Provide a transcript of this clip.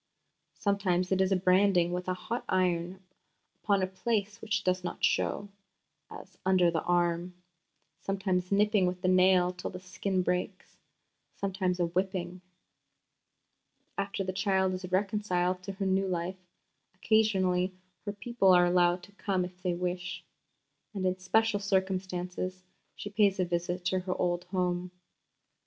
Sometimes it is branding with a hot iron upon a place which does not show, as under the arm; sometimes nipping with the nail till the skin breaks; sometimes a whipping. After the child is reconciled to her new life, occasionally her people are allowed to come if they wish; and in special circumstances she pays a visit to her old home.